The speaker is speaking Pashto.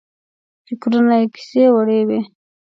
فکرونه یې کیسې وړي وو.